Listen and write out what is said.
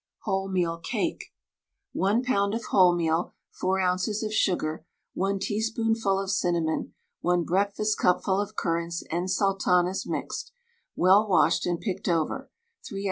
WHOLEMEAL CAKE. 1 lb. of wholemeal, 4 oz. of sugar, 1 teaspoonful of cinnamon, 1 breakfastcupful of currants and sultanas mixed, well washed and picked over, 3 oz.